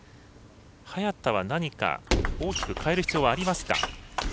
早田は何か大きく変える必要はありますか？